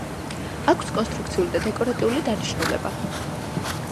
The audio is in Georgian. აქვს კონსტრუქციული და დეკორატიული დანიშნულება.